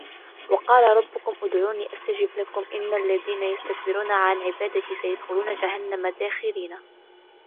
وَقالَ رَبُّكُمُ ادعوني أَستَجِب لَكُم إِنَّ الَّذينَ يَستَكبِرونَ عَن عِبادَتي سَيَدخُلونَ جَهَنَّمَ داخِرينَ